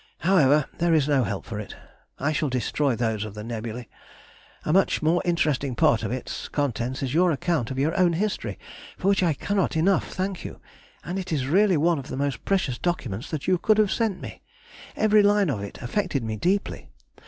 However, there is no help for it. I shall destroy those of the Nebulæ. A much more interesting part of its contents is your account of your own history, for which I cannot enough thank you, and it is really one of the most precious documents you could have sent me; every line of it affected me deeply.